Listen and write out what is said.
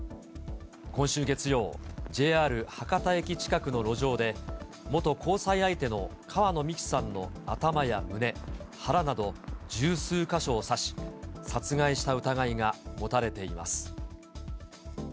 今週月曜、ＪＲ博多駅近くの路上で、元交際相手の川野美樹さんの頭や胸、腹など十数か所を刺し、殺害した疑いが持たれています。